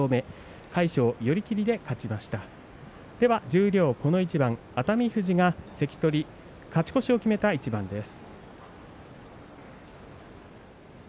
十両この一番熱海富士が勝ち越しを決めた一番です。